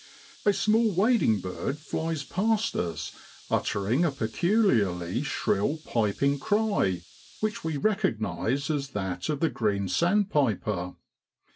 A small wading bird flies past us uttering a peculiarly shrill, piping cry, which we recognise as that of the green sandpiper.